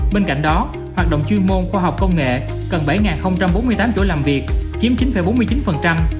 bên cạnh đó hoạt động chuyên môn khoa học công nghệ cần bảy bốn mươi tám chỗ làm việc chiếm chín bốn mươi chín